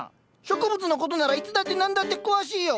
植物のことならいつだって何だって詳しいよ。